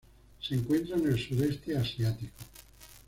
Se encuentran en el Sudeste Asiático.